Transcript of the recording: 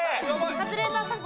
カズレーザーさん